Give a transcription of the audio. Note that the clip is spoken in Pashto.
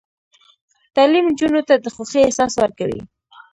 تعلیم نجونو ته د خوښۍ احساس ورکوي.